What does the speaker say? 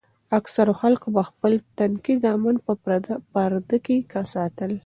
اکثرو خلکو به خپل تنکي زامن په پرده کښې ساتل.